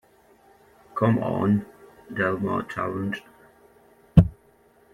Come on, Del Mar challenged.